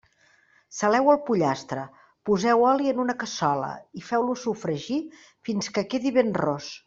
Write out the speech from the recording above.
Saleu el pollastre, poseu oli en una cassola i feu-lo sofregir fins que quedi ben ros.